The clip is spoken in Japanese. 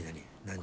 何？